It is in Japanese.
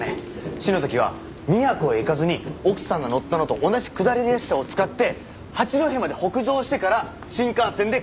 篠崎は宮古へ行かずに奥さんが乗ったのと同じ下り列車を使って八戸まで北上してから新幹線で帰ってきたんです！